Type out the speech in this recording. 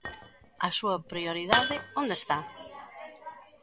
¿A súa prioridade onde está?